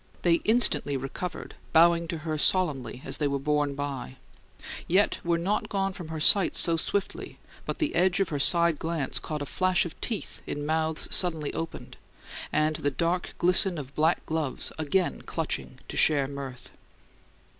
They instantly recovered, bowing to her solemnly as they were borne by, yet were not gone from her sight so swiftly but the edge of her side glance caught a flash of teeth in mouths suddenly opened, and the dark glisten of black gloves again clutching to share mirth.